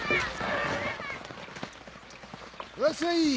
らっしゃい！